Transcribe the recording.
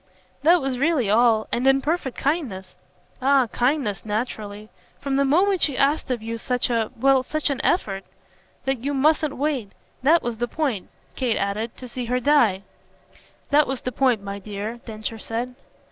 "That was really all and in perfect kindness." "Ah kindness naturally: from the moment she asked of you such a well, such an effort. That you mustn't wait that was the point," Kate added "to see her die." "That was the point, my dear," Densher said.